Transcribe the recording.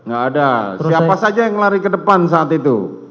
gak ada siapa saja yang lari ke depan saat itu